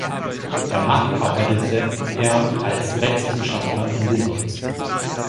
Danach arbeitete er als Rechtswissenschaftler in Vilnius.